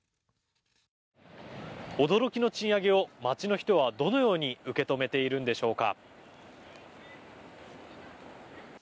驚きの賃上げを街の人はどのように受け止めているんでしょうか。